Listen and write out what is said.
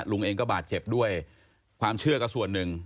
ลุงเองก็บาดเจ็บด้วยความเชื่อก็ส่วนหนึ่ง